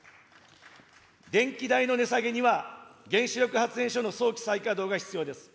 電気代の値下げには、原子力発電所の早期再稼働が必要です。